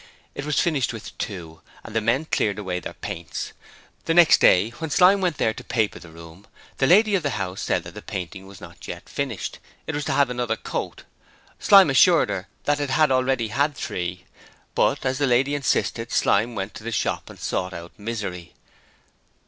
It was finished with two and the men cleared away their paints. The next day, when Slyme went there to paper the room, the lady of the house said that the painting was not yet finished it was to have another coat. Slyme assured her that it had already had three, but, as the lady insisted, Slyme went to the shop and sought out Misery.